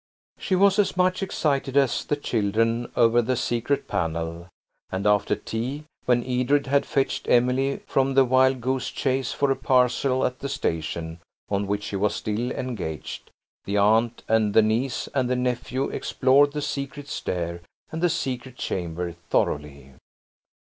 She was as much excited as the children over the secret panel, and after tea (when Edred had fetched Emily from the wild goose chase for a parcel at the station, on which she was still engaged), the aunt and the niece and the nephew explored the secret stair and the secret chamber thoroughly.